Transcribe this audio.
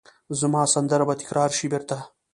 زما سندره به تکرار شي بیرته